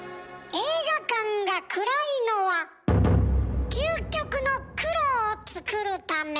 映画館が暗いのは究極の黒を作るため。